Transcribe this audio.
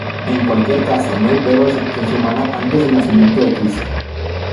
En cualquier caso, no hay pruebas de presencia humana antes del nacimiento de Cristo.